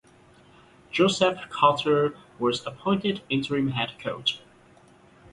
Joseph Carter was appointed interim head coach.